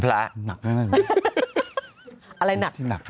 อะไรหนัก